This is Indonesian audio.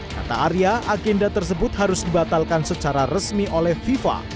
kata arya agenda tersebut harus dibatalkan secara resmi oleh fifa